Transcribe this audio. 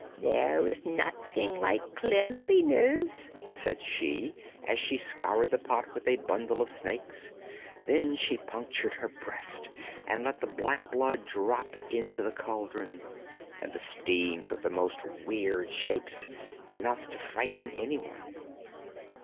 'There is nothing like cleanliness,' said she, as she scoured the pot with a bundle of snakes; then she punctured her breast and let the black blood drop into the caldron, and the steam took the most weird shapes, enough to frighten any one.